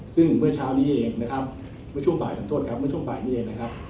ซึ่งเมื่อเช้านี้เองนะครับเมื่อช่วงบ่ายของโทษครับเมื่อช่วงบ่ายนี้เองนะครับ